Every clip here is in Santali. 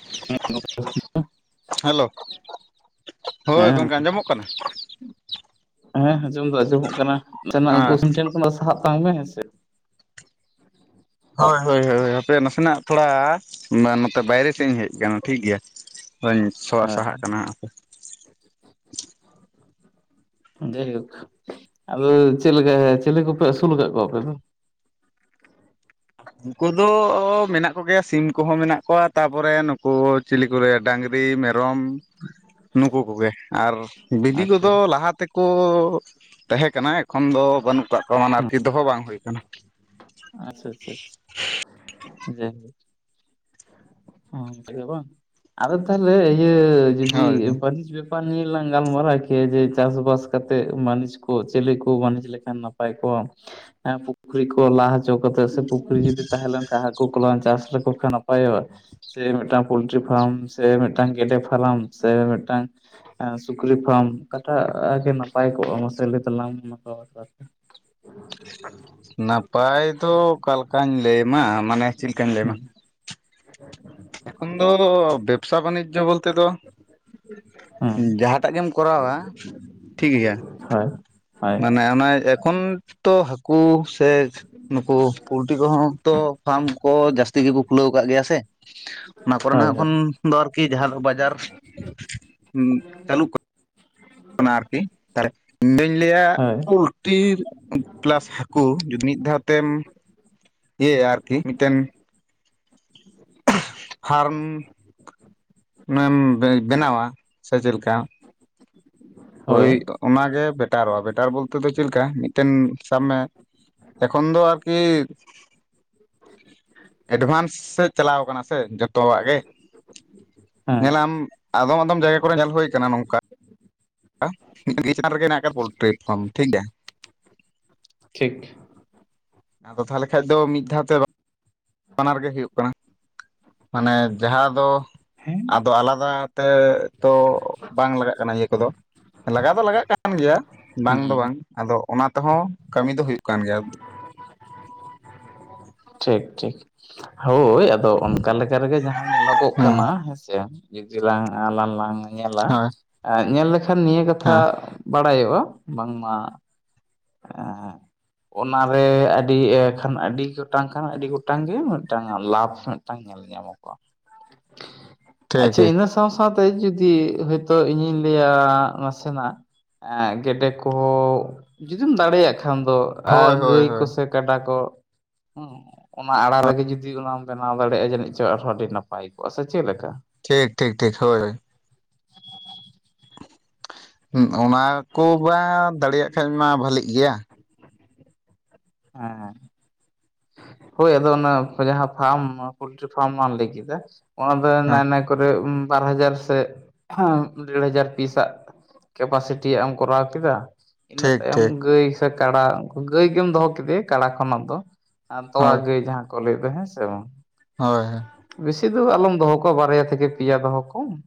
[inaudible] ᱦᱮᱞᱳ, ᱦᱳᱭ ᱦᱮᱸ ᱜᱚᱢᱠᱮ ᱟᱸᱡᱚᱢᱚᱜ ᱠᱟᱱᱟ? ᱦᱮᱸ ᱟᱸᱡᱚᱢ ᱫᱚ ᱟᱸᱡᱚᱢᱚᱜ ᱠᱟᱱᱟ ᱩᱱᱠᱩ ᱟᱪᱪᱷᱟ ᱴᱷᱮᱱ ᱠᱷᱚᱱ ᱥᱟᱦᱟᱜ ᱛᱟᱞᱟᱝ ᱢᱮ ᱦᱮᱸᱥᱮ? ᱦᱳᱭ ᱦᱳᱭ ᱦᱳ ᱦᱟᱯᱮ ᱱᱟᱥᱮᱱᱟᱜ ᱛᱷᱚᱲᱟ ᱱᱚᱛᱮ ᱵᱟᱭᱨᱮ ᱥᱮᱫ ᱤᱧ ᱦᱮᱡ ᱠᱟᱱᱟ ᱴᱷᱤᱠ ᱜᱮᱭᱟ᱾ ᱵᱟᱹᱧ ᱥᱚ ᱦᱳᱭ ᱥᱟᱦᱟᱜ ᱠᱟᱱᱟ᱾ [inaudible] ᱡᱟᱭᱦᱳᱠ, ᱟᱫᱚ ᱪᱮᱫ ᱞᱮᱠᱟ ᱪᱤᱞᱤ ᱠᱚᱯᱮ ᱟᱹᱥᱩᱞ ᱟᱠᱟᱫ ᱠᱚᱣᱟ ᱟᱯᱮ ᱫᱚ? ᱩᱱᱠᱩ ᱫᱚ ᱢᱮᱱᱟᱜ ᱠᱚ ᱜᱮᱭᱟ ᱥᱤᱢ ᱠᱚᱦᱚᱸ ᱢᱮᱱᱟᱜ ᱠᱚᱣᱟ ᱛᱟᱯᱚᱨᱮ ᱱᱩᱠᱩ ᱪᱤᱞᱤ ᱠᱚ ᱞᱮᱭᱟ, ᱰᱟᱝᱨᱤ ᱢᱮᱨᱚᱢ ᱱᱩᱠᱩ ᱠᱚᱜᱮ ᱟᱨ ᱵᱤᱰᱤ ᱟᱪᱪᱷᱟ ᱠᱚᱫᱚ ᱞᱟᱦᱟᱛᱮ ᱠᱚ ᱛᱟᱦᱮᱸ ᱠᱟᱱᱟ ᱮᱠᱷᱚᱱ ᱫᱚ ᱵᱟᱹᱱᱩᱜ ᱠᱟᱜ ᱠᱚᱣᱟ ᱢᱟᱱᱮ ᱦᱮᱸ ᱟᱨᱠᱤ ᱫᱚᱦᱚ ᱵᱟᱝ ᱦᱩᱭ ᱠᱟᱱᱟ᱾ ᱟᱪᱪᱷᱟ ᱪᱷᱟ ᱪᱷᱟ᱾ ᱡᱟᱭᱦᱳᱠ ᱚᱝᱠᱟ ᱜᱮ ᱵᱟᱝ? ᱟᱫᱚ ᱛᱟᱦᱞᱮ ᱤᱭᱟᱹ ᱡᱩᱫᱤ ᱦᱳᱭ ᱵᱟᱹᱱᱤᱡ ᱵᱮᱯ ᱯᱟ ᱱᱤᱭᱟᱹ ᱞᱟᱝ ᱜᱟᱞᱢᱟᱨᱟᱣ ᱠᱮᱭᱟ ᱡᱮ ᱪᱟᱥᱵᱟᱥ ᱠᱟᱛᱮᱜ ᱵᱟᱹᱱᱤᱡ ᱠᱚ ᱪᱤᱞᱤ ᱠᱚ ᱵᱟᱹᱱᱤᱡᱽ ᱞᱮᱠᱷᱟᱱ ᱱᱟᱯᱟᱭ ᱠᱚᱜᱼᱟ᱾ ᱯᱩᱠᱷᱨᱤ ᱠᱚ ᱞᱟ ᱦᱚᱪᱚ ᱠᱟᱛᱮᱜ ᱥᱮ ᱯᱩᱠᱷᱨᱤ ᱡᱩᱫᱤ ᱛᱟᱦᱮᱸᱞᱮᱱ ᱠᱷᱟᱱ ᱦᱟᱠᱩ ᱠᱚᱞᱟᱝ ᱪᱟᱥ ᱞᱮᱠᱚ ᱠᱷᱟᱱ? ᱱᱟᱯᱟᱭᱚᱜ-ᱟ ᱥᱮ ᱢᱤᱫᱴᱟᱝ ᱯᱳᱞᱴᱨᱤ ᱯᱷᱟᱨᱢ ᱥᱮ ᱢᱤᱫᱴᱟᱝ ᱜᱮᱰᱮ ᱯᱷᱟᱨᱢ ᱥᱮ ᱢᱤᱫᱴᱟᱝ ᱥᱩᱠᱨᱤ ᱯᱷᱟᱨᱟᱢ ᱚᱠᱟᱴᱟᱜ ᱜᱮ ᱱᱟᱯᱟᱭ ᱠᱚᱜᱼᱟ ᱢᱟᱥᱮ ᱛᱟᱞᱟᱝ ᱢᱮ [inaudible] ᱱᱟᱯᱟᱭ ᱫᱚ ᱚᱠᱟᱞᱮᱠᱟᱧ ᱞᱟᱹᱭᱢᱟ ᱢᱟᱱᱮ ᱪᱮᱫ ᱞᱮᱠᱟᱧ ᱞᱟᱹᱭᱟᱢᱟ? ᱦᱮᱸ ᱮᱠᱷᱚᱱ ᱫᱚ ᱵᱮᱵᱽᱥᱟ ᱵᱟᱱᱤᱡᱚ ᱵᱚᱞᱛᱮ ᱫᱚ᱾ ᱦᱮᱸ ᱡᱟᱦᱟᱸᱴᱟᱜ ᱜᱮᱢ ᱠᱚᱨᱟᱣᱟ ᱴᱷᱤᱠ ᱜᱮᱭᱟ ᱦᱳᱭ ᱦᱳᱭ ᱢᱟᱱᱮ, ᱚᱱᱟ ᱮᱠᱷᱚᱱ ᱛᱚ ᱦᱟᱹᱠᱩ ᱥᱮ, ᱱᱩᱠᱩ ᱯᱚᱞᱴᱤᱨᱤ ᱠᱚᱦᱚᱸ ᱛᱚ ᱯᱷᱟᱨᱢ ᱠᱚ ᱡᱟᱹᱟᱥᱛᱤ ᱜᱮᱠᱚ ᱠᱷᱩᱞᱟᱹᱣ ᱠᱟᱫ ᱜᱮᱭᱟ ᱥᱮ? ᱚᱱᱟ ᱦᱳᱭ ᱠᱚᱨᱮᱱᱟᱜ ᱠᱷᱚᱱ ᱫᱚ ᱟᱨᱠᱤ ᱡᱟᱦᱟᱸᱠᱚ ᱵᱟᱡᱟᱨ ᱪᱟᱹᱞᱩᱜ ᱠᱟᱱᱟ? ᱠᱟᱱᱟ ᱟᱨᱠᱤ ᱛᱟᱦᱚᱞᱮ ᱤᱧᱫᱩᱧ ᱞᱟᱹᱭᱟ ᱦᱳᱭ ᱦᱳᱭ ᱯᱳᱞᱴᱤ, ᱯᱞᱟᱥ ᱦᱟᱹᱠᱩ ᱡᱩᱫᱤ ᱢᱤᱫ ᱫᱷᱟᱣ ᱛᱮᱢ ᱤᱭᱟᱹᱭᱟ ᱟᱨᱠᱤ ᱢᱤᱫᱴᱮᱱ, ᱯᱷᱟᱨᱢ ᱮᱢ ᱵᱮᱱᱟᱣᱟ ᱥᱮ ᱪᱮᱫ ᱞᱮᱠᱟ? ᱦᱳᱭ ᱚᱱᱟᱜᱮ ᱵᱮᱴᱟᱨᱚᱜᱼᱟ ᱵᱮᱴᱟᱨ ᱵᱚᱞᱛᱮ ᱫᱚ ᱪᱮᱫᱮᱠᱟ ᱢᱤᱫᱴᱮᱱ ᱥᱟᱵ ᱢᱮ, ᱮᱠᱷᱚᱱ ᱫᱚ ᱟᱨᱠᱤ, ᱮᱰᱷᱟᱱᱥ ᱥᱮᱫ ᱪᱟᱞᱟᱣ ᱠᱟᱱᱟ ᱥᱮ ᱡᱚᱛᱚᱣᱟᱜ ᱜᱮ᱾ ᱦᱮᱸ ᱧᱮᱞᱟᱢ ᱟᱫᱚᱢ ᱟᱫᱚᱢ ᱡᱟᱭᱜᱟ ᱠᱚᱨᱮ ᱧᱮᱞ ᱦᱩᱭ ᱠᱟᱱᱟ ᱱᱚᱝᱠᱟ? ᱪᱮᱛᱟᱱᱨ ᱨᱜᱮ ᱦᱮᱱᱟ ᱟᱠᱟᱫ ᱯᱳᱞᱴᱨᱤ ᱯᱷᱟᱨᱢ ᱴᱷᱤᱠ ᱜᱮᱭᱟ᱾ ᱴᱷᱤᱠ, ᱟᱫᱚ ᱛᱟᱦᱚᱞᱮ ᱠᱷᱟᱡ ᱫᱚ ᱢᱤᱫ ᱫᱷᱟᱣ ᱛᱮ ᱵᱟᱱᱟᱨ ᱜᱮ ᱦᱩᱭᱩᱜ ᱠᱟᱱᱟ ᱢᱟᱱᱮ ᱡᱟᱦᱟᱸ ᱫᱚ, ᱦᱮᱸ ᱟᱫᱚ ᱟᱞᱟᱫᱟ ᱛᱮ ᱛᱚ ᱵᱟᱝ ᱞᱟᱜᱟᱜ ᱠᱟᱱᱟ ᱤᱭᱟᱹ ᱠᱚᱫᱚ ᱞᱟᱜᱟ ᱫᱚ ᱞᱟᱜᱟᱜ ᱠᱟᱱᱟ᱾ ᱠᱟᱱ ᱜᱮᱭᱟ ᱵᱟᱝ ᱫᱚ ᱦᱮᱸ ᱵᱟᱝ ᱟᱫᱚ ᱚᱱᱟ ᱛᱮᱦᱚᱸ ᱠᱟᱹᱢᱤ ᱫᱚ ᱦᱩᱭᱩᱜ ᱠᱟᱱ ᱜᱮᱭᱟ᱾ ᱴᱷᱤᱠ ᱴᱷᱤᱠ ᱦᱳᱭ ᱟᱫᱚ ᱚᱱᱠᱟ ᱞᱮᱠᱟ ᱨᱮᱜᱮ ᱡᱟᱦᱟᱸ ᱧᱮᱞᱚᱜᱚᱜ ᱦᱮᱸ ᱠᱟᱱᱟ ᱦᱮᱸᱥᱮ? ᱡᱩᱫᱤ ᱞᱟᱝ ᱟᱞᱟᱝ ᱞᱟᱝ ᱧᱮᱞᱟ ᱦᱳᱭ ᱧᱮᱞ ᱞᱮᱠᱷᱟᱱ ᱱᱤᱭᱟᱹ ᱠᱟᱛᱷᱟ ᱦᱮᱸ ᱵᱟᱲᱟᱭᱚᱜᱼᱟ ᱵᱟᱝᱢᱟ? [unintelligible] ᱚᱱᱟᱨᱮ ᱟᱹᱰᱤ ᱮ ᱠᱷᱟᱱ ᱟᱹᱰᱤ ᱜᱚᱴᱟᱝ ᱠᱷᱟᱱ ᱟᱹᱰᱤ ᱜᱚᱴᱟᱝ ᱜᱮ ᱢᱤᱫᱴᱟᱝ ᱟ ᱞᱟᱵᱷ ᱢᱤᱫᱴᱟᱝ ᱧᱟᱢᱚᱜ, [unintelligible] ᱴᱷᱤᱠ ᱟᱪᱪᱷᱟ ᱴᱷᱤᱠ ᱤᱱᱟᱹ ᱥᱟᱶ ᱥᱟᱶᱛᱮ ᱡᱩᱫᱤ ᱦᱳᱭᱛᱳ ᱤᱧᱤᱧ ᱞᱟᱹᱭᱟ ᱱᱟᱥᱮᱱᱟᱜ ᱮᱸᱻ ᱜᱮᱰᱮ ᱠᱚᱦᱚᱸ ᱡᱩᱫᱤᱢ ᱫᱟᱲᱮᱭᱟᱜ ᱠᱷᱟᱱ ᱫᱚ ᱟᱨ ᱦᱳᱭ ᱦᱳᱭ ᱜᱟᱹᱭ ᱦᱳᱭ ᱠᱚᱥᱮ ᱠᱟᱰᱟ ᱠᱚ ᱦᱮ ᱚᱱᱟ ᱟᱲᱟ ᱨᱮᱜᱮ ᱡᱩᱫᱤ ᱚᱱᱟᱢ ᱵᱮᱱᱟᱣ ᱫᱟᱲᱮᱭᱟᱜᱼᱟ ᱡᱟᱹᱱᱤᱡ ᱪᱚᱝ ᱟᱨᱦᱚᱸ ᱟᱹᱰᱤ ᱱᱟᱯᱟᱭ ᱠᱚᱜᱼᱟ ᱥᱮ ᱪᱮᱫ ᱞᱮᱠᱟ? ᱴᱷᱤᱠ ᱴᱷᱤᱠ ᱴᱷᱤᱠ ᱦᱳᱭ ᱦᱳᱭ ᱾ [inaudible] ᱦᱩᱸ ᱚᱱᱟ ᱠᱚ ᱵᱟᱸ ᱫᱟᱲᱮᱭᱟᱜ ᱠᱷᱟᱱ ᱢᱟ ᱵᱷᱟᱞᱤᱜ ᱜᱮᱭᱟ ᱾ ᱦᱮᱸ ᱦᱮᱸ ᱾ ᱦᱳᱭ ᱟᱫᱚ ᱚᱱᱟ ᱡᱟᱦᱟᱸ ᱯᱷᱟᱨᱢ ᱯᱳᱚᱞᱴᱨᱤ ᱯᱷᱟᱨᱢ ᱞᱟᱝ ᱞᱟᱹᱭ ᱠᱮᱫᱟ ᱾ ᱚᱱᱟ ᱫᱚ ᱦᱮᱸ ᱱᱟᱭ ᱱᱟᱭ ᱠᱚᱨᱮ ᱵᱟᱨ ᱦᱟᱡᱟᱨ ᱥᱮ ᱰᱮᱲ ᱦᱟᱡᱟᱨ ᱯᱤᱥᱟᱜ ᱠᱮᱯᱟᱥᱤᱴᱤᱭᱟᱜ ᱮᱢ ᱠᱚᱨᱟᱣ ᱠᱮᱫᱟ ᱾ ᱤᱱᱟᱹ ᱴᱷᱤᱠ ᱛᱟᱭᱚᱢ ᱴᱷᱤᱠ ᱜᱟᱹᱭ ᱥᱮ ᱠᱟᱰᱟ ᱜᱟᱹᱭ ᱜᱮᱢ ᱫᱚᱦᱚ ᱠᱮᱫᱮᱭᱟ ᱠᱟᱰᱟ ᱠᱷᱚᱱᱟᱜ ᱫᱚ ᱟᱨ ᱛᱚᱣᱟ ᱦᱳᱭ ᱜᱟᱹᱭ ᱡᱟᱦᱟᱸ ᱠᱚ ᱞᱟᱹᱭ ᱮᱫ-ᱫᱚ ᱦᱮᱸ ᱥᱮ ᱵᱟᱝ ᱾ ᱦᱳᱭ ᱾ ᱵᱮᱥᱤ ᱫᱚ ᱟᱞᱚᱢ ᱫᱚᱦᱚ ᱠᱚᱣᱟ ᱵᱟᱨᱭᱟ ᱛᱷᱮᱠᱮ ᱯᱮᱭᱟ ᱫᱚᱦᱚ ᱠᱚᱣᱟᱢ ᱾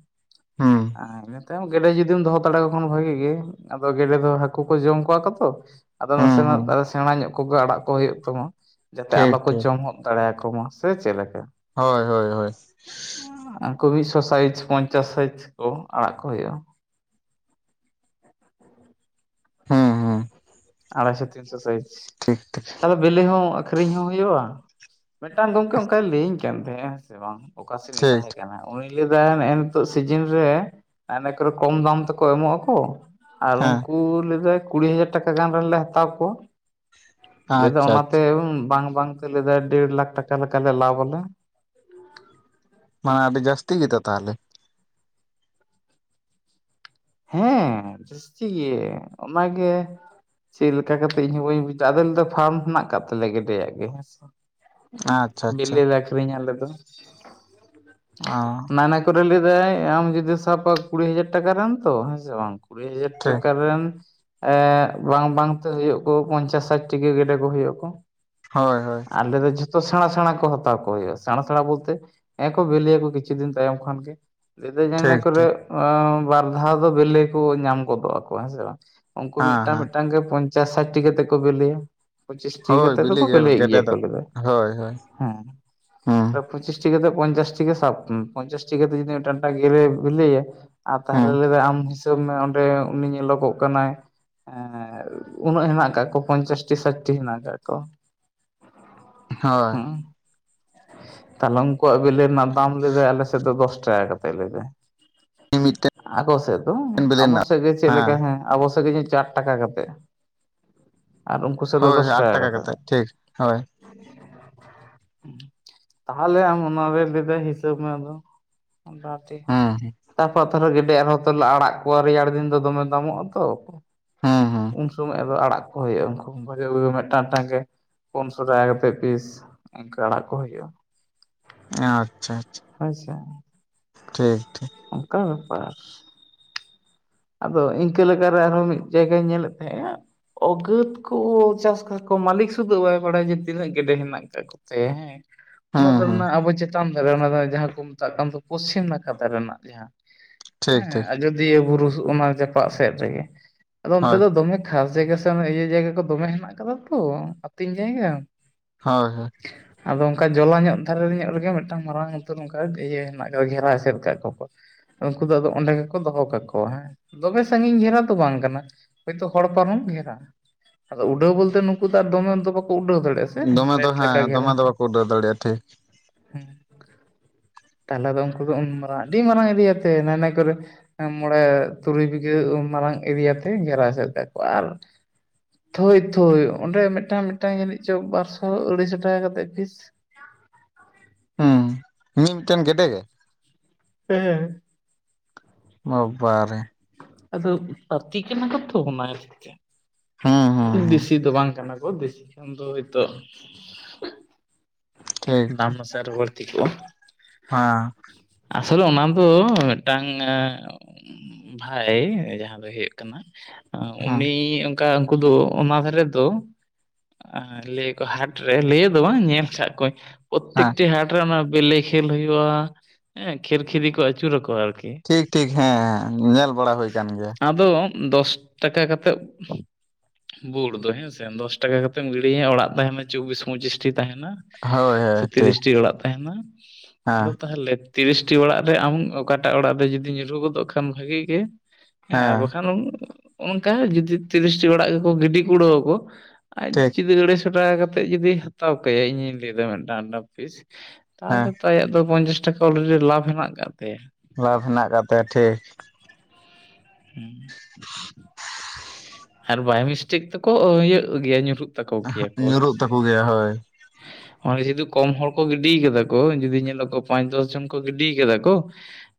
ᱦᱮᱸ ᱾ ᱦᱮᱸ ᱱᱚᱛᱮ ᱜᱮᱰᱮ ᱡᱩᱫᱤᱢ ᱫᱚᱦᱚ ᱫᱟᱲᱮ ᱟᱠᱚ ᱠᱷᱟᱱ ᱵᱷᱟᱜᱤ ᱜᱮ ᱾ ᱟᱫᱚ ᱜᱮᱰᱮ ᱫᱚ ᱦᱟᱹᱠᱩ ᱠᱚ ᱡᱚᱢ ᱠᱚᱣᱟ ᱠᱚᱛᱚ ᱟᱫᱚ ᱦᱩᱸ ᱱᱟᱥᱮᱱᱟᱜ ᱦᱩᱸ ᱟᱫᱚ ᱥᱮᱬᱟ ᱧᱚᱜ ᱠᱚᱜᱮ ᱟᱲᱟᱜ ᱠᱚ ᱦᱩᱭᱩᱜ ᱛᱟᱢᱟ ᱡᱟᱛᱮ ᱴᱷᱤᱠ ᱟᱞᱚ ᱠᱚ ᱴᱷᱤᱠ ᱡᱚᱢ ᱚᱜ ᱫᱟᱲᱮ ᱟᱠᱚ ᱢᱟ ᱥᱮ ᱪᱮᱫ ᱞᱮᱠᱟ? ᱦᱳᱭ ᱦᱳᱭ ᱦᱳᱭ ᱾ [unintelligible] ᱢᱤᱫ ᱥᱚ ᱥᱟᱭᱤᱡ ᱯᱚᱧᱪᱟᱥ ᱥᱟᱭᱤᱡ ᱠᱚ ᱟᱲᱟᱜ ᱠᱚ ᱦᱳᱳᱜᱼᱟ ᱾ ᱦᱩᱸ ᱦᱩᱸ ᱾ ᱟᱲᱟᱭᱥᱚ ᱛᱤᱱᱥᱚ ᱥᱟᱹᱭᱤᱡ ᱾ ᱴᱷᱤᱠ ᱴᱷᱤᱠ ᱾ ᱟᱫᱚ ᱵᱤᱞᱤ ᱦᱚᱸ ᱟᱠᱷᱨᱤᱧ ᱦᱚᱸ ᱦᱩᱭᱩᱜᱼᱟ ᱾ [inaudible] ᱢᱤᱫᱴᱟᱝ ᱜᱚᱝᱠᱮ ᱚᱱᱠᱟᱭ ᱞᱟᱹᱭᱟᱹᱧ ᱠᱟᱱ ᱛᱟᱦᱮᱸᱫᱼᱟ ᱦᱮᱸᱥᱮ ᱵᱟᱝ ᱾ ᱚᱠᱟ [unintelligible] ᱮ ᱴᱷᱤᱠ ᱛᱟᱦᱮᱸ ᱠᱟᱱᱟ? ᱩᱱᱤ ᱞᱟᱹᱭ ᱮᱫᱟᱭ ᱱᱮᱜᱼᱮ ᱱᱤᱛᱚᱜ ᱥᱤᱡᱤᱱ ᱨᱮ ᱚᱱᱮ ᱠᱚᱨᱮ ᱠᱚᱢ ᱫᱟᱢ ᱛᱮᱠᱚ ᱮᱢᱚᱜ ᱟᱠᱚ ᱾ ᱟᱨ ᱦᱮᱸ ᱩᱱᱠᱩ ᱞᱟᱹᱭ ᱮᱫᱟ ᱠᱩᱲᱤ ᱦᱟᱡᱟᱨ ᱴᱟᱠᱟ ᱜᱟᱱ ᱨᱮᱱᱞᱮ ᱦᱟᱛᱟᱣ ᱠᱚᱣᱟ ᱾ ᱞᱟᱹᱭ ᱮᱫᱟ ᱟᱪᱪᱷᱟ ᱚᱱᱟᱛᱮ ᱟᱪᱪᱷᱟ ᱵᱟᱝ ᱵᱟᱝᱛᱮ ᱞᱟᱹᱭ ᱮᱫᱟᱭ ᱰᱮᱲ ᱞᱟᱠᱷ ᱴᱟᱠᱟ ᱞᱮᱠᱟ ᱞᱮ ᱞᱟᱵᱷ ᱟᱞᱮ ᱾ ᱢᱟᱱᱮ ᱟᱹᱰᱤ ᱡᱟᱹᱥᱛᱤ ᱜᱮᱛᱚ ᱛᱟᱦᱞᱮ ᱾ ᱦᱮᱸ ᱡᱟᱹᱥᱛᱤ ᱜᱮ ᱾ ᱚᱱᱟᱜᱮ ᱪᱮᱫ ᱞᱮᱠᱟ ᱠᱟᱛᱮ ᱤᱧ ᱦᱚᱸ ᱵᱟᱹᱧ ᱵᱩᱡ ᱮᱫᱟ ᱟᱫᱚ ᱞᱟᱹᱭ ᱮᱫᱟ ᱯᱷᱟᱨᱢ ᱦᱮᱱᱟᱜ ᱟᱠᱟᱫ ᱛᱟᱞᱮᱭᱟ ᱜᱮᱰᱮᱭᱟᱜ ᱜᱮ ᱟᱪᱪᱷᱟ ᱾ ᱟᱪᱪᱷᱟ ᱵᱮᱞᱮ ᱞᱮ ᱟᱠᱷᱨᱤᱧᱟ ᱟᱞᱮ ᱫᱚ ᱾ ᱚ [inaudible] ᱚᱱᱟ ᱞᱟᱹᱭ ᱮᱫᱟᱭ ᱟᱢ ᱡᱩᱫᱤ ᱥᱟᱵ [unintelligible] ᱠᱩᱲᱤ ᱦᱟᱡᱟᱨ ᱴᱟᱠᱟ ᱨᱮᱱ ᱛᱚ ᱦᱮᱸᱥᱮ ᱵᱟᱝ, ᱠᱩᱲᱤ ᱦᱟᱡᱟᱨ ᱴᱷᱤᱠ ᱴᱟᱠᱟ ᱨᱮᱱ ᱮᱜ ᱵᱟᱝ ᱵᱟᱝ ᱛᱮ ᱦᱩᱭᱩᱜ ᱟᱠᱚ ᱯᱚᱧᱪᱟᱥ ᱥᱟᱪᱴᱤ ᱜᱮᱰᱮ ᱠᱚ ᱦᱩᱭᱩᱜ ᱟᱠᱚ ᱾ ᱦᱳᱭ ᱦᱳᱭ ᱾ ᱟᱞᱮ ᱫᱚ ᱡᱷᱚᱛᱚ ᱥᱮᱬᱟ ᱥᱮᱬᱟ ᱠᱚ ᱦᱟᱛᱟᱣ ᱠᱚ ᱦᱩᱭᱩᱜᱼᱟ ᱾ ᱥᱮᱬᱟ ᱥᱮᱬᱟ ᱵᱚᱞᱛᱮ ᱦᱮᱸᱜᱼᱮ ᱠᱚ ᱵᱤᱞᱤᱭᱟᱠᱚ ᱠᱤᱪᱷᱩ ᱫᱤᱱ ᱛᱟᱭᱚᱢ ᱠᱷᱟᱱ ᱜᱮ ᱾ ᱧᱤᱫᱟᱹ ᱴᱷᱤᱠ ᱡᱟᱦᱟᱸ ᱠᱚᱨᱮ ᱴᱷᱤᱠ ᱵᱟᱨ ᱫᱷᱟᱣ ᱫᱚ ᱵᱤᱞᱤ ᱠᱚ ᱧᱟᱢ ᱜᱚᱫᱚᱜ ᱟᱠᱚ ᱦᱮᱸ ᱥᱮ ᱵᱟᱝ ᱾ ᱩᱱᱠᱩ ᱦᱮᱸ ᱢᱤᱫᱴᱟᱝ ᱦᱮᱸ ᱢᱤᱫᱴᱟᱝ ᱜᱮ ᱯᱚᱧᱪᱟᱥ ᱥᱟᱪᱴ ᱴᱤ ᱠᱟᱛᱮ ᱠᱚ ᱵᱤᱞᱤᱭᱟ ᱾ ᱯᱚᱸᱪᱤᱥᱴᱤ ᱦᱳᱭ ᱠᱟᱛᱮ ᱵᱤᱞᱤ ᱫᱚᱠᱚ ᱵᱮᱞᱮᱭᱮᱜ ᱜᱮᱰᱮ ᱜᱮᱭᱟ ᱫᱚ ᱠᱚ ᱞᱟᱹᱭ ᱮᱫᱟᱭ ᱦᱳᱭ ᱾ ᱦᱳᱭ [inaudible] ᱦᱮᱸ ᱦᱩᱸ ᱾ [inaudible] ᱯᱚᱸᱪᱤᱥᱴᱤ ᱠᱟᱛᱮ ᱯᱚᱧᱪᱟᱥ ᱴᱤ ᱜᱮ ᱥᱟᱵ ᱢᱮ ᱯᱚᱧᱪᱟᱥ ᱴᱤ ᱠᱟᱛᱮ ᱡᱩᱫᱤ ᱢᱤᱫᱴᱟᱝ ᱢᱤᱫᱴᱟᱝ ᱜᱮᱰᱮ ᱵᱮᱞᱮᱭᱟᱭ ᱦᱩᱸ ᱛᱟᱦᱞᱮ ᱞᱟᱹᱭ ᱮᱫᱟᱭ ᱟᱢ ᱦᱤᱥᱟᱹᱵᱽ ᱢᱮ ᱚᱸᱰᱮ ᱩᱱᱤ ᱧᱮᱞᱚᱜᱚᱜ ᱠᱟᱱᱟᱭ ᱦᱮᱸ ᱦᱮᱸ ᱩᱱᱟᱹᱜ ᱦᱮᱱᱟᱜ ᱠᱟᱜ ᱠᱚ ᱯᱚᱧᱪᱟᱥᱴᱤ ᱥᱟᱭᱴᱴᱤ ᱦᱮᱱᱟᱜ ᱠᱟᱜ ᱠᱚ ᱾ [inaudible] ᱦᱳᱭ ᱦᱮᱸ ᱾ ᱛᱟᱦᱚᱞᱮ ᱩᱱᱠᱩᱣᱟᱜ ᱵᱮᱞᱮ ᱨᱮᱱᱟᱜ ᱫᱟᱢ ᱞᱮᱫᱟᱹᱭ ᱟᱞᱮᱥᱮᱫ ᱫᱚ ᱫᱚᱥ ᱴᱟᱠᱟ ᱠᱟᱛᱮᱫ ᱞᱟᱹᱭᱫᱟ ᱾ ᱢᱤᱫᱴᱮ ᱟᱠᱚ ᱥᱮᱫ ᱫᱚ ᱟᱵᱚ ᱥᱮᱫ ᱜᱮ ᱪᱮᱫ ᱞᱮᱠᱟ ᱦᱮᱸ ᱟᱵᱚ ᱥᱮᱫ ᱜᱮ ᱪᱟᱨ ᱴᱟᱠᱟ ᱠᱟᱛᱮᱫ ᱟᱨ ᱩᱱᱠᱩ ᱥᱮᱫ ᱫᱚ ᱦᱳᱭ ᱫᱚᱥ ᱟᱴ ᱴᱟᱠᱟ ᱠᱟᱛᱮᱫ᱾ ᱴᱷᱤᱠ ᱦᱳᱭ ᱛᱟᱦᱞᱮ ᱟᱢ ᱚᱱᱟᱨᱮ ᱞᱟᱹᱭ ᱫᱟᱭ ᱦᱤᱥᱟᱹᱵ ᱢᱮ ᱟᱫᱚ ᱦᱩᱸ ᱛᱟᱯᱚᱨ ᱛᱟᱦᱞᱮ ᱜᱮᱰᱮ ᱟᱨᱦᱚᱸ ᱛᱚᱞᱮ ᱟᱲᱟᱜ ᱠᱚᱣᱟ ᱨᱮᱭᱟᱲ ᱫᱤᱱ ᱫᱚ ᱫᱚᱢᱮ ᱫᱟᱢᱚᱜ ᱟᱛᱚ ᱦᱮᱸ ᱦᱮᱸ ᱩᱱ ᱥᱚᱢᱚᱭ ᱟᱫᱚ ᱟᱲᱟᱜ ᱠᱚ ᱦᱩᱭᱩᱜ-ᱟ ᱩᱱᱠᱩ ᱵᱷᱟᱜᱮ ᱵᱷᱟᱜᱮ ᱢᱤᱫᱴᱟᱝ ᱴᱟᱝ ᱜᱮ ᱯᱩᱱᱥᱚ ᱴᱟᱠᱟ ᱠᱟᱛᱮᱫ ᱯᱤᱥ᱾ ᱚᱱᱠᱟ ᱟᱲᱟᱜ ᱠᱚ ᱦᱩᱭᱩᱜ-ᱟ ᱟᱪᱪᱷᱟ ᱟᱪᱪᱷᱟ ᱦᱳᱭ ᱥᱮ ᱴᱷᱤᱠ ᱴᱷᱤᱠ ᱚᱱᱠᱟ ᱵᱮᱯᱟᱨ ᱟᱫᱚ ᱤᱱᱠᱟᱹ ᱞᱮᱠᱟᱨᱮ ᱟᱨᱦᱚᱸ ᱢᱤᱫ ᱡᱟᱭᱜᱟᱧ ᱧᱮᱞᱮᱫ ᱛᱟᱦᱮᱸᱜ-ᱟ ᱚᱜᱟᱛ ᱠᱚ ᱪᱟᱥ ᱠᱟᱠᱚ ᱠᱚ ᱢᱟᱹᱞᱤᱠ ᱥᱩᱫᱷᱩ ᱵᱟᱭ ᱵᱟᱲᱟᱭᱟ ᱡᱮ ᱛᱤᱱᱟᱹᱜ ᱜᱮᱰᱮ ᱦᱮᱱᱟᱜ ᱠᱟᱫ ᱠᱚ ᱥᱮ ᱦᱮᱸ ᱚᱱᱟ ᱦᱩᱸ ᱠᱚ ᱦᱩᱸ ᱨᱮᱱᱟᱜ ᱟᱵᱚ ᱪᱮᱛᱟᱱ ᱫᱟᱨᱮ ᱚᱱᱟ ᱫᱚ ᱡᱟᱦᱟᱸ ᱠᱚ ᱢᱮᱛᱟᱜ ᱠᱟᱱ ᱫᱚ ᱯᱚᱪᱷᱤᱢ ᱱᱟᱠᱷᱟ ᱫᱟᱨᱮ ᱨᱮᱱᱟᱜ ᱡᱟᱦᱟᱸ ᱴᱷᱤᱠ ᱦᱮᱸ ᱴᱷᱤᱠ ᱟᱡᱚᱫᱤᱭᱟᱹ ᱵᱩᱨᱩ ᱚᱱᱟ ᱡᱟᱯᱟᱜ ᱥᱮᱫ ᱨᱮᱜᱮ ᱟᱫᱚ ᱚᱱᱛᱮ ᱦᱳᱭ ᱫᱚ ᱫᱚᱢᱮ ᱠᱷᱟᱥ ᱡᱟᱭᱜᱟ ᱥᱮ ᱚᱱᱮ ᱤᱭᱟᱹ ᱡᱟᱭᱜᱟ ᱠᱚ ᱫᱚᱢᱮ ᱦᱮᱱᱟᱜ ᱟᱠᱟᱫᱟ ᱛᱚ ᱟᱹᱛᱤᱧ ᱡᱟᱭᱜᱟ ᱦᱳᱭ ᱦᱳᱭ ᱟᱫᱚ ᱚᱱᱠᱟ ᱡᱚᱞᱟ ᱧᱚᱜ ᱫᱷᱟᱨᱮ ᱧᱚᱜ ᱨᱮᱜᱮ ᱢᱤᱫᱴᱟᱝ ᱢᱟᱨᱟᱝ ᱩᱛᱟᱹᱨ ᱚᱱᱠᱟ ᱤᱭᱟᱹ ᱦᱮᱱᱟᱜ ᱠᱟᱫᱟ ᱜᱷᱮᱨᱟ ᱮᱥᱮᱫ ᱟᱠᱟᱫ ᱠᱚᱣᱟ ᱠᱚ᱾ ᱩᱱᱠᱩ ᱫᱚ ᱟᱫᱚ ᱚᱸᱰᱮ ᱜᱮᱠᱚ ᱫᱚᱦᱚ ᱠᱟᱠᱚᱣᱟ ᱦᱮᱸ ᱫᱚᱢᱮ ᱥᱟᱺᱜᱤᱧ ᱜᱷᱮᱨᱟ ᱫᱚ ᱵᱟᱝ ᱠᱟᱱᱟ᱾ ᱦᱳᱭᱛᱳ ᱦᱚᱲ ᱯᱟᱨᱚᱢ ᱜᱷᱮᱨᱟ ᱟᱫᱚ ᱩᱰᱟᱹᱣ ᱵᱚᱞᱛᱮ ᱱᱩᱠᱩ ᱫᱚ ᱟᱨ ᱫᱚᱢᱮ ᱫᱚ ᱵᱟᱠᱚ ᱩᱰᱟᱹᱣ ᱫᱟᱲᱮᱭᱟᱜ ᱫᱚᱢᱮ ᱫᱚ ᱢᱮᱴ ᱞᱮᱠᱟ ᱦᱮᱸ ᱜᱮᱨᱟ ᱫᱚᱢᱮ ᱫᱚ ᱵᱟᱠᱚ ᱩᱰᱟᱹᱣ ᱫᱟᱲᱮᱭᱟᱜᱼᱟ ᱴᱷᱤᱠ ᱛᱟᱦᱚᱞᱮ ᱫᱚ ᱩᱱᱠᱩ ᱫᱚ ᱩᱱ ᱢᱟᱨᱟᱝ ᱟᱹᱰᱤ ᱢᱟᱨᱟᱝ ᱤᱨᱤᱭᱟᱛᱮ ᱱᱟᱱᱟ ᱠᱚᱨᱮ ᱢᱚᱬᱮ ᱛᱩᱨᱩᱭ ᱵᱤᱜᱷᱟᱹ ᱢᱟᱨᱟᱝ ᱮᱨᱤᱭᱟ ᱛᱮ ᱜᱷᱮᱨᱟ ᱥᱮᱫ ᱟᱠᱟᱫ ᱠᱚᱣᱟ ᱟᱨ ᱛᱷᱳᱭ ᱛᱷᱳᱭ ᱚᱸᱰᱮ ᱢᱤᱫᱴᱟᱝ ᱢᱤᱫᱴᱟᱝ ᱡᱟᱹᱱᱤᱡ ᱪᱚ ᱵᱟᱨᱥᱚ ᱟᱹᱲᱟᱹᱭᱥᱚ ᱴᱟᱠᱟ ᱠᱟᱛᱮᱫ ᱯᱷᱤᱥ ᱦᱩᱸ ᱢᱤ ᱢᱤᱫᱴᱟᱝ ᱜᱮᱰᱮ ᱜᱮ ᱦᱮᱸ ᱵᱟᱵᱟᱨᱮ ᱟᱫᱚ ᱯᱟᱛᱤ ᱠᱟᱱᱟ ᱠᱚᱛᱚ ᱚᱱᱟ ᱛᱮ ᱦᱩᱸ ᱦᱩᱸ ᱦᱩᱸ ᱫᱮᱥᱤ ᱫᱚ ᱵᱟᱝ ᱠᱟᱱᱟ ᱠᱚ ᱫᱮᱥᱤ ᱠᱷᱟᱱ ᱫᱚ ᱦᱚᱭᱛᱳ ᱴᱷᱤᱠ ᱫᱟᱢ ᱴᱷᱤᱠ ᱢᱟᱥᱮᱫ ᱟᱨᱦᱚ ᱵᱟᱹᱲᱛᱤ ᱠᱚᱜ-ᱟ᱾ ᱦᱮᱸ ᱟᱥᱚᱞᱮ ᱚᱱᱟ ᱫᱚ ᱢᱤᱫᱴᱟᱝ ᱵᱷᱟᱭ ᱡᱟᱦᱟᱸ ᱫᱚᱭ ᱦᱩᱭᱩᱜ ᱠᱟᱱᱟ ᱦᱮᱸ ᱩᱱᱤ ᱚᱱᱠᱟ ᱩᱱᱠᱩ ᱫᱚ ᱚᱱᱟ ᱫᱷᱟᱨᱮ ᱫᱚ ᱞᱟᱹᱭᱠᱚ ᱦᱟᱴᱨᱮ ᱞᱟᱹᱭ ᱫᱚ ᱵᱟᱝ ᱧᱮᱞ ᱟᱠᱟᱫ ᱠᱚᱣᱟᱧ ᱦᱮᱸ ᱯᱨᱚᱛᱮᱠᱴᱤ ᱦᱟᱴ ᱨᱮ ᱚᱱᱟ ᱵᱮᱞᱮ ᱠᱷᱮᱞ ᱦᱩᱭᱩᱜ-ᱟ ᱦᱮᱸ ᱠᱷᱮᱨ ᱠᱷᱤᱨᱤ ᱠᱚ ᱟᱹᱪᱩᱨᱟᱠᱣᱟ ᱟᱨᱠᱤ ᱴᱷᱤᱠ ᱴᱷᱤᱠ ᱦᱮᱸ ᱧᱮᱞ ᱵᱟᱲᱟ ᱦᱩᱭ ᱟᱠᱟᱱ ᱜᱮᱭᱟ᱾ ᱟᱫᱚ ᱫᱚᱥ ᱴᱟᱠᱟ ᱠᱟᱛᱮᱜ ᱵᱩᱴ ᱫᱚ ᱦᱮᱸᱥᱮ ᱫᱚᱥ ᱴᱟᱠᱟ ᱠᱟᱛᱮᱢ ᱜᱤᱲᱤᱧᱟ ᱚᱲᱟᱜ ᱛᱟᱦᱮᱱᱟ ᱪᱚᱵᱽᱵᱤᱥ ᱯᱚᱸᱪᱤᱥᱴᱤ ᱛᱟᱦᱮᱱᱟ᱾ ᱦᱳᱭ ᱦᱳᱭ ᱥᱮ ᱴᱷᱤᱠ ᱛᱤᱨᱤᱥᱴᱤ ᱚᱲᱟᱜ ᱛᱟᱦᱮᱱᱟ ᱦᱮᱸ ᱟᱫᱚ ᱛᱟᱦᱚᱞᱮ ᱛᱤᱨᱤᱥᱴᱤ ᱚᱲᱟᱜ ᱨᱮ ᱟᱢ ᱚᱠᱟᱴᱟᱜ ᱚᱲᱟᱜ ᱨᱮ ᱡᱩᱫᱤ ᱧᱩᱨᱩ ᱜᱚᱫᱚᱜ ᱠᱷᱟᱱ ᱵᱷᱟᱜᱤ ᱜᱮ ᱦᱮᱸ ᱟᱨ ᱵᱟᱠᱷᱟᱱ ᱚᱱᱠᱟ ᱡᱩᱫᱤ ᱛᱤᱨᱤᱥᱴᱤ ᱚᱲᱟᱜ ᱜᱮᱠᱚ ᱜᱤᱰᱤ ᱠᱩᱲᱟᱹᱣ ᱟᱠᱚ ᱟᱡ ᱴᱷᱤᱠ ᱡᱩᱫᱤ ᱟᱹᱲᱟᱹᱭ ᱥᱚ ᱴᱟᱠᱟ ᱠᱟᱛᱮᱫ ᱡᱩᱫᱤ ᱦᱟᱛᱟᱣ ᱠᱟᱭᱟ ᱤᱧᱤᱧ ᱞᱟᱹᱭᱫᱟ ᱢᱤᱫᱴᱟᱝ ᱢᱤᱫᱴᱟᱝ ᱯᱤᱥ ᱦᱮᱸ ᱛᱟᱦᱚᱞᱮ ᱛᱚ ᱟᱭᱟᱜ ᱫᱚ ᱯᱚᱧᱪᱟᱥ ᱴᱟᱠᱟ ᱚᱞᱨᱮᱰᱤ ᱞᱟᱵᱷ ᱦᱮᱱᱟᱜ ᱟᱠᱟᱫ ᱛᱟᱭᱟ᱾ ᱞᱟᱵᱷ ᱦᱮᱱᱟᱜ ᱟᱠᱟᱫ ᱛᱟᱭᱮᱭᱟ ᱴᱷᱤᱠ ᱟᱨ ᱵᱟᱭ ᱢᱤᱥᱴᱮᱠ ᱛᱠᱚ ᱤᱭᱟᱹᱜ ᱜᱮᱭᱟ ᱧᱩᱨᱩᱜ ᱧᱩᱨᱩᱜ ᱛᱟᱠᱚ ᱜᱮᱭᱟ ᱦᱳᱭ ᱱᱚᱜᱚᱭ ᱡᱩᱫᱩ ᱠᱚᱢ ᱦᱚᱲ ᱠᱚ ᱜᱤᱰᱤ ᱠᱟᱫᱟ ᱠᱚ ᱡᱩᱫᱤ ᱧᱮᱞᱚᱜ ᱠᱚ ᱯᱟᱸᱪ ᱫᱚᱥ ᱡᱚᱱ ᱠᱚ ᱜᱤᱰᱤ ᱠᱟᱫᱟ ᱠᱚ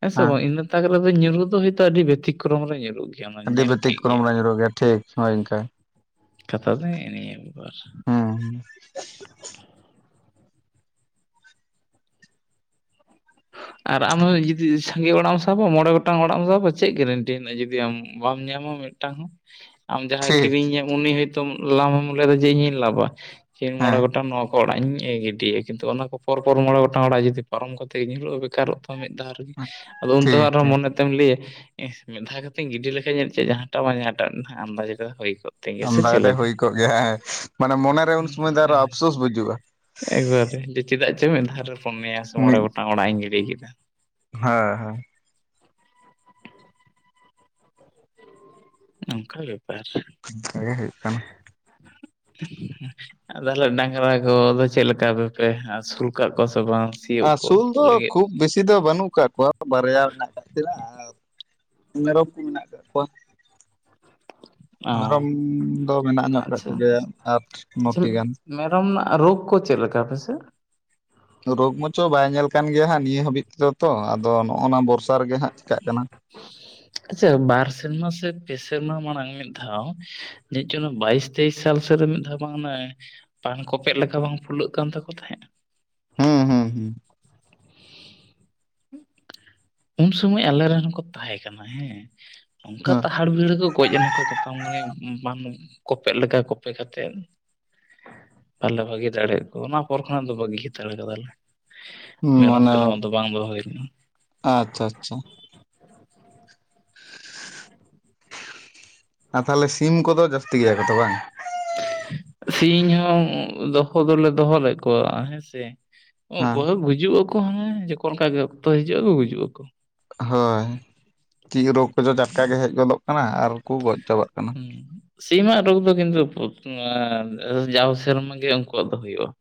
ᱦᱮᱸ ᱥᱮ ᱵᱟᱝ ᱤᱱᱟᱹ ᱛᱟᱠ ᱨᱮᱫᱚ ᱧᱩᱨᱦᱩᱜ ᱫᱚ ᱦᱚᱭᱛᱳ ᱟᱹᱰᱤ ᱵᱮᱛᱤᱠᱨᱚᱢ ᱨᱮ ᱧᱩᱨᱩᱜ ᱜᱮᱭᱟ ᱚᱱᱟ ᱟᱹᱰᱤ ᱧᱮᱞ ᱵᱛᱤᱠ ᱠᱮᱫ ᱜᱮᱭᱟ ᱠᱚᱨᱚᱢ ᱨᱮ ᱧᱩᱨᱚᱜ ᱜᱮᱭᱟ ᱴᱷᱤᱠ ᱦᱳᱭ ᱤᱱᱝᱠᱮ ᱠᱟᱛᱷᱟ ᱫᱚ ᱤᱱᱟ ᱵᱮᱯᱟᱨ ᱦᱩᱸ ᱟᱨ ᱟᱢ ᱦᱚ ᱡᱩᱫᱤ ᱥᱟᱸᱜᱮ ᱚᱲᱟᱜ ᱮᱢ ᱥᱟᱵᱟ ᱢᱚᱬᱮ ᱜᱚᱴᱟᱝ ᱚᱲᱟᱜ ᱮᱢ ᱥᱟᱵᱟ ᱪᱮᱫ ᱜᱮᱨᱮᱱᱴᱤ ᱦᱮᱱᱟᱜᱼᱟ ᱡᱩᱫᱤ ᱟᱢ ᱵᱟᱢ ᱧᱟᱢᱟ ᱢᱤᱫᱴᱟᱝ ᱦᱚᱸ [inaudible] ᱟᱢ ᱡᱟᱦᱟᱸᱭ ᱴᱷᱤᱠ ᱠᱤᱨᱤᱧᱟᱢ ᱩᱱᱤ ᱦᱚᱭᱛᱳ ᱞᱟᱵᱷᱮᱢ ᱞᱟᱹᱭ ᱮᱢ ᱡᱮ ᱤᱧᱤᱧ ᱞᱟᱵᱟ ᱤᱧ ᱢᱚᱬᱮ ᱦᱮᱸ ᱜᱚᱴᱟᱝ ᱱᱚᱣᱟ ᱚᱲᱟᱜ ᱤᱧ ᱜᱤᱰᱤᱭᱟ ᱠᱤᱱᱛᱩ ᱚᱱᱟ ᱠᱚ ᱯᱚᱨ ᱯᱚᱨ ᱢᱚᱬᱮ ᱜᱚᱴᱟᱝ ᱚᱲᱟᱜ ᱡᱩᱫᱤ ᱯᱟᱨᱚᱢ ᱠᱟᱛᱮᱜ ᱜᱮ ᱧᱩᱨᱩᱜᱼᱟ ᱵᱮᱠᱟᱨᱚᱜ ᱛᱟᱢ ᱢᱤᱫ ᱫᱷᱟᱣ ᱨᱮ ᱟᱫᱚ ᱩᱱᱚᱱ ᱛᱚ ᱴᱷᱤᱠ ᱟᱨ ᱴᱷᱤᱠ ᱢᱚᱱᱮ ᱮᱢ ᱞᱟᱹᱭᱟ ᱢᱤᱫᱷᱟᱣ ᱠᱟᱛᱮᱧ ᱜᱤᱰᱤ ᱞᱮᱠᱷᱟᱡ ᱪᱮᱫ ᱡᱟᱦᱟᱸᱴᱟᱜ ᱵᱟᱝ ᱡᱟᱦᱟᱸᱴᱟᱜᱟᱜ ᱟᱱᱫᱟᱡ ᱦᱩᱭ ᱠᱚᱜᱼᱟ ᱟᱢᱫᱟᱠᱟᱛᱮᱜ ᱜᱮ ᱦᱩᱭ ᱠᱚᱜ ᱜᱮᱭᱟ ᱦᱮᱸ ᱢᱟᱱᱮ ᱢᱚᱱᱮᱨᱮ ᱩᱱ ᱦᱩᱸ ᱥᱚᱢᱚᱭ ᱫᱚ ᱟᱨᱚ ᱟᱯᱥᱳᱥ ᱵᱩᱡᱩᱜᱼᱟ ᱟᱨ ᱨᱮ ᱪᱮᱫᱟᱜ ᱪᱮ ᱢᱤᱫ ᱫᱷᱟ ᱨᱮ ᱯᱷᱚᱱ ᱢᱮᱭᱟ ᱥᱮ ᱢᱚᱬᱮ ᱢᱤᱫ ᱜᱚᱴᱟᱝ ᱚᱲᱟᱜ ᱤᱧ ᱜᱤᱰᱤ ᱠᱮᱫᱟ ᱦᱮᱸ ᱦᱮᱸ ᱱᱚᱝᱠᱟ ᱵᱮᱯᱟᱨ ᱚᱱᱠᱟ ᱜᱮ ᱦᱩᱭᱩᱜ ᱠᱟᱱᱟ [inaudible] ᱤᱱᱟ ᱛᱚᱞᱮ ᱰᱟᱝᱨᱟ ᱠᱚᱫᱚ ᱪᱮᱫ ᱞᱮᱠᱟᱯᱮᱥᱩᱞ ᱠᱟᱜ ᱠᱚᱣᱟ ᱥᱮ ᱵᱟᱝ ᱥᱤᱭᱳᱜ ᱟᱨ ᱠᱚ ᱥᱩᱞ ᱫᱚ ᱞᱟᱹᱜᱤᱫ? ᱠᱷᱩᱵ ᱵᱮᱥᱤ ᱫᱚ ᱵᱟᱹᱱᱩᱜ ᱟᱠᱟᱫ ᱠᱚᱣᱟ ᱵᱟᱨᱭᱟ ᱢᱮᱱᱟᱜ ᱟᱠᱟᱫ ᱛᱱᱟ ᱟᱨ ᱢᱮᱨᱚᱢ ᱠᱚ ᱢᱮᱱᱟᱜ ᱟᱠᱟᱫ ᱠᱚᱣᱟ ᱚ ᱢᱮᱨᱚᱢ ᱫᱚ ᱢᱮᱱᱟᱜ ᱧᱚᱜ ᱟᱠᱟᱫ ᱟᱪᱪᱷᱟ ᱠᱚᱜᱮᱭᱟ ᱟᱴ ᱟᱪᱪᱷᱟ ᱱᱚᱴᱤ ᱜᱟᱱ ᱢᱮᱨᱚᱢ ᱨᱮᱱᱟᱜ ᱨᱳᱜᱽ ᱠᱚ ᱪᱮᱫ ᱞᱮᱠᱟ ᱯᱮᱥᱮ ᱨᱳᱜᱽ ᱢᱟᱪᱚ ᱵᱟᱭ ᱧᱮᱞ ᱠᱟᱱ ᱜᱮᱭᱟ ᱦᱟᱸᱜ ᱱᱤᱭᱟᱹ ᱦᱟᱹᱵᱤᱡ ᱛᱮᱫᱚ ᱛᱚ ᱟᱫᱚ ᱱᱚᱜ ᱱᱟ ᱵᱚᱨᱥᱟ ᱨᱮᱜᱮ ᱦᱟᱸᱜ ᱪᱮᱠᱟᱹᱜ ᱠᱟᱱᱟ ᱟᱪᱪᱷᱟ ᱵᱟᱨ ᱥᱮᱨᱢᱟ ᱥᱮ ᱯᱮ ᱥᱮᱨᱢᱟ ᱢᱟᱲᱟᱝ ᱢᱤᱫ ᱫᱷᱟᱣ ᱡᱮᱫ ᱪᱚᱝ ᱵᱟᱭᱤᱥ ᱛᱮᱭᱤᱥ ᱥᱟᱞ ᱥᱮᱫᱨᱮ ᱢᱤᱫ ᱫᱷᱟᱣ ᱵᱟᱝ ᱯᱟᱱ ᱠᱚᱯᱮᱫ ᱞᱮᱠᱟ ᱵᱟᱝ ᱯᱷᱩᱞᱟᱹᱜ ᱠᱟᱱ ᱛᱟᱠᱚ ᱛᱟᱦᱮᱸᱫ ᱦᱮᱸ ᱦᱮᱸ ᱦᱮᱸ ᱦᱮᱸ ᱩᱱ ᱥᱚᱢᱚᱭ ᱟᱞᱮ ᱨᱮᱱ ᱦᱚᱸᱠᱚ ᱛᱟᱦᱮᱸ ᱠᱟᱱᱟ ᱦᱮᱸ ᱚᱱᱠᱟ ᱦᱩᱸ ᱛᱟᱦᱟᱲ ᱵᱤᱦᱟᱹᱲ ᱠᱚ ᱜᱚᱡ ᱮᱱᱟᱠᱚ ᱢᱮᱛᱟᱢ ᱠᱟᱱᱤᱧ ᱯᱟᱱ ᱠᱚᱯᱮᱜ ᱞᱮᱠᱟ ᱠᱚᱯᱮ ᱠᱟᱛᱮᱫ ᱵᱟᱞᱮ ᱵᱷᱟᱹᱜᱤ ᱫᱟᱲᱮᱭᱟᱜ ᱠᱚᱣᱟ ᱚᱱᱟ ᱯᱚᱨ ᱠᱷᱚᱱᱟᱜ ᱫᱚ ᱵᱟᱹᱜᱤ ᱦᱟᱛᱟᱲ ᱠᱟᱫᱟᱞᱮ ᱢᱮᱨᱚᱢ ᱢᱟᱱᱮ ᱯᱷᱮᱨᱚᱢ ᱟᱫᱚ ᱵᱟᱝ ᱫᱚᱦᱚ ᱦᱩᱭ ᱞᱮᱱᱟ ᱟᱪᱪᱷᱟ ᱟᱪᱪᱷᱟ ᱟᱨ ᱛᱟᱦᱞᱮ ᱥᱤᱢ ᱠᱚᱫᱚ ᱡᱟᱹᱥᱛᱤ ᱜᱮᱭᱟ ᱠᱚᱛᱚ ᱵᱟᱝ ᱥᱤᱧ ᱦᱚᱸ ᱫᱚᱦᱚ ᱫᱚᱞᱮ ᱫᱚᱦᱚ ᱞᱮᱫ ᱠᱚᱣᱟ ᱦᱮᱸᱥᱮ ᱩᱱᱠᱩ ᱦᱮᱸ ᱦᱚᱸ ᱜᱩᱡᱩᱜ ᱟᱠᱚ ᱦᱟᱱᱮ ᱡᱚᱠᱚᱚᱱ ᱚᱱᱠᱟᱜ ᱜᱮ ᱚᱠᱛᱚ ᱦᱤᱡᱩᱜᱼᱟ ᱟᱠᱚ ᱜᱩᱡᱩᱜ ᱟᱠᱚ ᱦᱳᱭ ᱪᱮᱫ ᱨᱳᱜᱽ ᱠᱚᱪᱚ ᱡᱟᱴᱠᱟᱜ ᱜᱮ ᱦᱮᱡ ᱜᱚᱫᱚᱜ ᱠᱟᱱᱟ ᱟᱨᱠᱚ ᱜᱚᱡ ᱪᱟᱵᱟᱜ ᱠᱟᱱᱟ ᱦᱮᱸ ᱥᱤᱢᱟᱜ ᱨᱳᱜᱽ ᱫᱚ ᱠᱤᱱᱛᱩ ᱡᱟᱣ ᱥᱮᱨᱢᱟ ᱜᱮ ᱩᱱᱠᱩᱣᱟᱜ ᱫᱚ ᱦᱩᱭᱩᱜᱼᱟ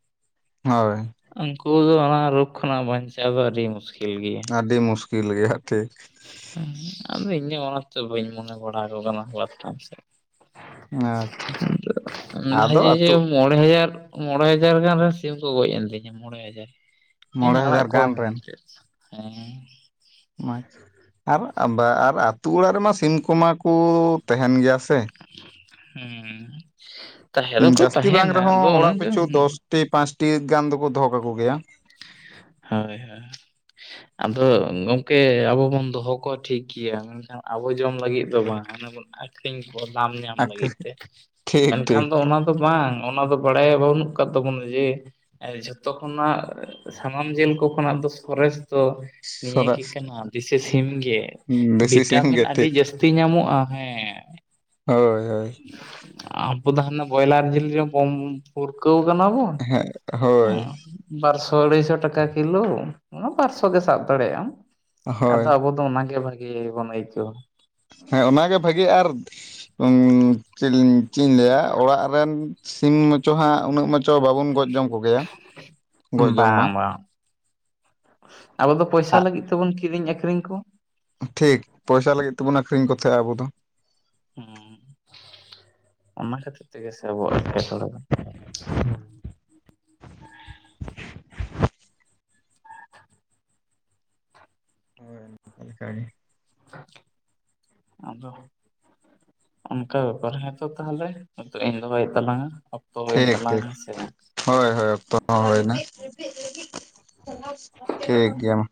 ᱦᱳᱭ ᱩᱱᱠᱩ ᱫᱚ ᱚᱱᱟ ᱨᱳᱜᱷ ᱠᱷᱚᱱᱟᱜ ᱵᱟᱧᱪᱟᱣ ᱫᱚ ᱟᱹᱰᱤ ᱢᱩᱥᱠᱤᱞ ᱜᱮᱭᱟ ᱟᱹᱰᱤ ᱢᱩᱥᱠᱤᱞ ᱜᱮᱭᱟ ᱦᱟᱜ ᱦᱮᱸ ᱟᱫᱚ ᱤᱧᱟᱹᱜ ᱚᱱᱟᱛᱮ ᱵᱟᱹᱧ ᱢᱚᱱᱮ ᱵᱟᱲᱟᱠᱚ ᱠᱟᱱᱟ ᱵᱟᱴᱟᱱ ᱥᱮᱫ ᱟᱫᱚ [inaudible] ᱡᱮ ᱟᱹᱛᱩ ᱢᱚᱬᱮ ᱦᱟᱡᱟᱨ, ᱢᱚᱬᱮ ᱦᱟᱡᱟᱨ ᱜᱟᱱ ᱨᱮᱱ ᱥᱤᱢ ᱠᱚ ᱜᱚᱡ ᱮᱱ ᱛᱤᱧᱟ ᱢᱚᱬᱮ ᱦᱟᱡᱟᱨ᱾ ᱤᱧ ᱢᱚᱬᱮ ᱟᱲᱟᱜ ᱦᱟᱡᱟᱨ ᱠᱚᱣᱟ ᱜᱟᱱ ᱨᱮᱱ ᱢᱮᱱᱛᱮᱫ ᱦᱮᱸ, ᱢᱟ ᱪᱮᱫ, ᱟᱨᱟᱜ ᱟᱫ ᱟᱨ ᱟᱹᱛᱩ ᱚᱲᱟᱜ ᱨᱮᱢᱟ ᱥᱤᱢ ᱠᱚᱢᱟ ᱠᱚ ᱛᱟᱦᱮᱸᱱ ᱜᱮᱭᱟ ᱥᱮ? ᱦᱩᱸ ᱛᱟ ᱦᱮᱨᱳ ᱠᱚ ᱛᱟᱦᱮᱸᱱᱟ, ᱟᱫᱚ ᱚᱱᱮ ᱚᱸᱠᱟ ᱦᱩᱸ ᱛᱮ ᱯᱟᱸᱪ ᱴᱤ ᱜᱟᱱ ᱫᱚᱠᱚ ᱫᱚᱦᱚ ᱠᱟᱠᱚ ᱜᱮᱭᱟ᱾ ᱦᱳᱭ ᱦᱳᱭ ᱦᱚᱭ᱾ ᱟᱫᱚᱻᱜ ᱜᱚᱝᱠᱮ ᱟᱵᱚ ᱵᱚᱱ ᱫᱚᱦᱚ ᱠᱚᱣᱟ ᱴᱷᱤᱠ ᱜᱮᱭᱟ, ᱟ ᱟᱵᱚ ᱡᱚᱢ ᱞᱟᱹᱜᱤᱫ ᱫᱚ ᱵᱟᱝᱼᱟ, ᱚᱱᱮ ᱵᱚᱱ ᱟᱠ- ᱠᱷᱨᱤᱧ ᱠᱚᱣᱟ ᱫᱟᱢ ᱧᱟᱢ ᱞᱟᱹᱜᱤᱫ ᱛᱮ, ᱴᱷᱤᱠ ᱢᱮᱱᱠᱷᱟᱱ ᱴᱷᱤᱠ ᱫᱚ ᱚᱱᱟ- ᱫᱚ ᱵᱟᱝ, ᱚᱱᱟ ᱫᱚ ᱵᱟᱲᱟᱭᱟ ᱵᱟᱹᱱᱩᱜ ᱟᱠᱟᱫ ᱛᱟᱵᱚᱱᱟ ᱡᱮ, ᱮᱸ ᱡᱷᱚᱛᱚ ᱠᱷᱚᱱᱟᱜ ᱥᱟᱢᱟᱢ ᱡᱤᱞ ᱠᱚ ᱠᱷᱚᱱᱟᱜ ᱫᱚᱥ ᱠᱚᱨᱮᱥ ᱫᱚ ᱱᱤᱭᱟᱹ ᱜᱮ ᱥᱚᱨᱮᱥ ᱠᱟᱱᱟ ᱫᱮᱥᱤ ᱥᱤᱢ ᱜᱮ᱾ ᱫᱮᱥᱤ ᱥᱤᱢ ᱵᱤᱴᱟᱢᱤᱱ ᱜᱮ ᱟᱹᱰᱤ ᱴᱷᱤᱠ ᱡᱟᱹᱥᱛᱤ ᱧᱟᱢᱚᱜᱼᱟ, ᱦᱮᱸ᱾ ᱦᱳᱭ ᱦᱳᱭ᱾ ᱟᱸᱵᱚ ᱫᱚ ᱦᱟᱱᱟ ᱵᱚᱭᱞᱟᱨ ᱡᱤᱞ ᱜᱮᱢ ᱵᱚᱢ ᱯᱩᱨᱠᱟᱹᱣ ᱟᱠᱟᱱᱟ ᱵᱚᱱ, ᱦᱮᱸ ᱦᱳᱭ ᱩᱸ ᱻ ᱵᱟᱨ ᱥᱚ ᱟᱲᱦᱟᱹᱭᱥᱚ ᱴᱟᱠᱟ ᱠᱤᱞᱳ, ᱚᱱᱟ ᱵᱟᱨ ᱥᱚ ᱜᱮ ᱥᱟᱵ ᱫᱟᱲᱮᱭᱟᱜ ᱟᱢ᱾ ᱦᱳᱭ ᱟᱫᱚ ᱟᱵᱚ ᱫᱚ ᱚᱱᱟᱜᱮ ᱵᱷᱟᱜᱮ ᱵᱚᱱ ᱟᱹᱭᱠᱟᱹᱣ-ᱟ᱾ ᱦᱮᱸ ᱚᱱᱟᱜᱮ ᱵᱷᱟᱜᱮ ᱟᱨ ᱩᱸ ᱪᱮᱫ ᱤᱧ ᱪᱮᱜ ᱤᱧ ᱞᱟᱹᱭᱼᱟ, ᱚᱲᱟᱜ ᱨᱮᱱ ᱥᱤᱢ ᱢᱟᱪᱚ ᱦᱟᱸᱜ ᱩᱱᱟᱹᱜ ᱢᱟᱪᱚ ᱵᱟᱵᱚᱱ ᱜᱚᱡ ᱡᱚᱝ ᱵᱟᱝᱼᱟ ᱵᱟᱝ᱾ ᱟᱵᱚ ᱫᱚ ᱯᱳᱭᱥᱟ ᱞᱟᱹᱜᱤᱫ ᱛᱮᱵᱚᱱ ᱠᱤᱨᱤᱧ ᱟᱹᱠᱷᱨᱤᱧ ᱠᱚ᱾ ᱴᱷᱤᱠ ᱯᱚᱭᱥᱟ ᱞᱟᱹᱜᱤᱫ ᱛᱮᱵᱚᱱ ᱟᱹᱠᱷᱨᱤᱧ ᱠᱚ ᱛᱟᱦᱮᱸᱜ ᱟᱵᱚ ᱫᱚ᱾ ᱦᱩᱸ, ᱚᱱᱟ ᱠᱷᱟᱹᱛᱤᱨ ᱛᱮᱜᱮ ᱥᱮ ᱟᱵᱚᱣᱟᱜ ᱮᱴᱠᱮ ᱴᱚᱲᱮ ᱫᱚ᱾ [inaudible] ᱦᱮᱸ ᱚᱱᱠᱟ ᱜᱮ᱾ [unintelligible] ᱟᱫᱚ ᱚᱱᱠᱟ ᱵᱮᱯᱟᱨ ᱦᱮᱸᱛᱚ ᱛᱟᱦᱮᱞᱮ, ᱱᱤᱛᱳᱜ ᱤᱧ ᱫᱚᱦᱚᱭᱮᱫ ᱛᱟᱞᱟᱝᱼᱟ, ᱚᱠᱛᱚ ᱦᱩᱭᱮᱱ ᱴᱷᱤᱠ ᱛᱟᱞᱟᱝᱼᱟ, ᱴᱷᱤᱠ ᱦᱮᱸ ᱥᱮ ᱵᱟᱝ? ᱦᱳᱭ ᱦᱳᱭ ᱚᱠᱛᱚ ᱦᱚᱸ ᱦᱚᱭ ᱮᱱᱟ, ᱴᱷᱤᱠ ᱜᱮᱭᱟ ᱢᱟ᱾